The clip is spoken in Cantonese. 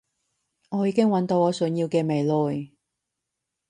我已經搵到我想要嘅未來